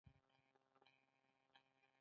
هغه قسم خوري چې پر تاسو مې زړه درد کوي